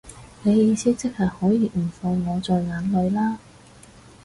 你意思即係可以唔放我在眼內啦